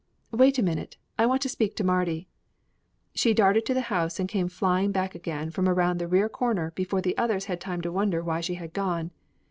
Wait a minute; I want to speak to Mardy." She darted to the house and came flying back again from around the rear corner before the others had time to wonder why she had gone.